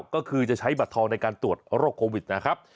ก็คือจะใช้บัตรทองในการตรวจโรคโควิดนะครับ